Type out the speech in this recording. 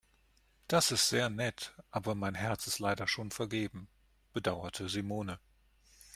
"Das ist sehr nett, aber mein Herz ist leider schon vergeben", bedauerte Simone.